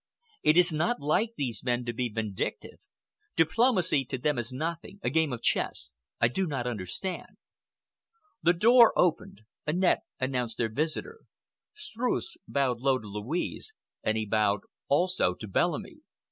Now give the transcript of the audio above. It is not like these men to be vindictive. Diplomacy to them is nothing—a game of chess. I do not understand." The door opened. Annette announced their visitor. Streuss bowed low to Louise—he bowed, also, to Bellamy.